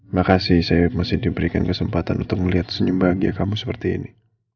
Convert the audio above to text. makasih saya masih diberikan kesempatan untuk melihat senyum bahagia kamu seperti ini